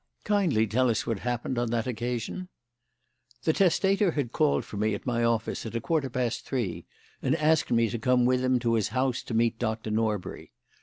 "Kindly tell us what happened on that occasion." "The testator had called for me at my office at a quarter past three, and asked me to come with him to his house to meet Doctor Norbury.